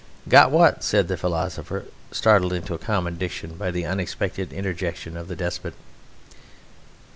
"Got what?" said the philosopher, startled into common diction by the unexpected interjection of the despot.